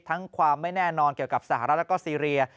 ความไม่แน่นอนเกี่ยวกับสหรัฐและก็ซีเรีย